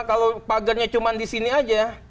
kalau pagarnya cuma disini aja